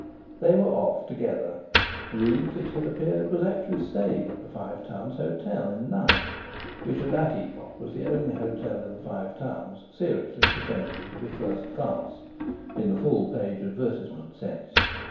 They were off, together. Ruth, it had appeared, was actually staying at the Five Towns Hotel at Knype, which at that epoch was the only hotel in the Five Towns seriously pretending to be "first class" in the full page advertisement sense.